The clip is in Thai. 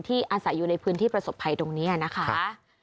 อาศัยอยู่ในพื้นที่ประสบภัยตรงนี้นะคะ